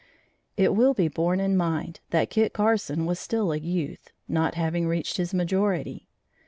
It will be borne in mind that Kit Carson was still a youth, not having reached his majority.